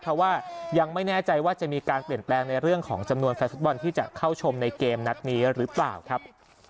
เพราะว่ายังไม่แน่ใจว่าจะมีการเปลี่ยนแปลงในเรื่องของจำนวนแฟนฟุตบอลที่จะเข้าชมในเกมนัดนี้หรือเปล่าครับ